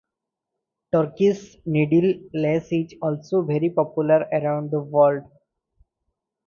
Turkish needle lace is also very popular around the world.